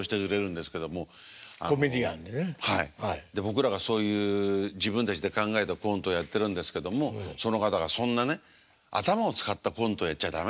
僕らがそういう自分たちで考えたコントをやってるんですけどもその方がそんなね頭を使ったコントをやっちゃ駄目だと。